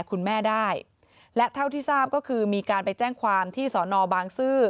คุณแม่ได้และเท่าที่ทราบก็คือมีการไปแจ้งความที่สอนอบางซื่อ